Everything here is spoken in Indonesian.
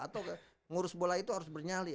atau ngurus bola itu harus bernyali